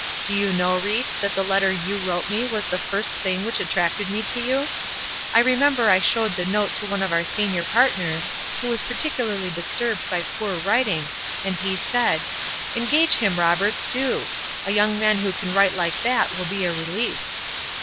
Do you know, Ried, that the letter you wrote me was the first thing which attracted me to you? I remember I showed the note to one of our senior partners, who was particularly disturbed by poor writing, and he said: 'Engage him, Roberts, do! A young man who can write like that will be a relief.'